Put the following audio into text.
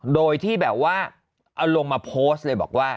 โดยที่แบบว่าเอาลงมาโพสต์เลยบอกว่า